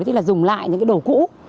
tức là dùng lại những cái đồ cũ